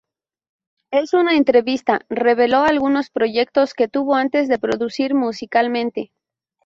En una entrevista reveló algunos proyectos que tuvo antes de producir musicalmente.